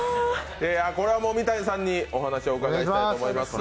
これは三谷さんにお話を伺いたいと思います。